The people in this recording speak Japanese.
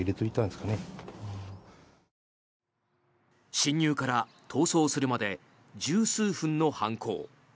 侵入から逃走するまで１０数分の犯行。